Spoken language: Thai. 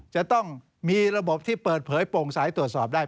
จะต้องมีระบบที่เปิดเผยโปร่งสายตรวจสอบได้